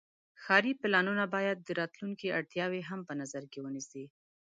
ښاري پلانونه باید د راتلونکي اړتیاوې هم په نظر کې ونیسي.